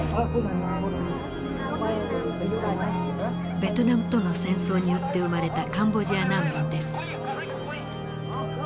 ベトナムとの戦争によって生まれたカンボジア難民です。